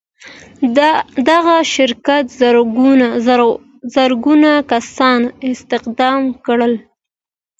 دغه شرکت زرګونه کسان استخدام کړل.